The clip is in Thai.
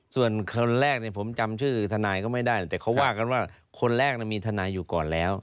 ส่วนคนแรกผมจำชื่อทนายก็ไม่ได้แต่เขาว่ากันว่าคนแรกมีทนายอยู่ก่อนแล้ว